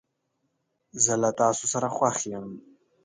زه له تاسو سره خوښ یم.